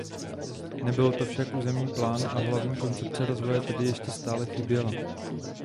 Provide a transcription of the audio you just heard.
Nebyl to však územní plán a hlavní koncepce rozvoje tedy ještě stále chyběla.